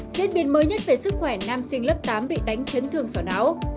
diễn biến mới nhất về sức khỏe nam sinh lớp tám bị đánh chấn thương sỏ não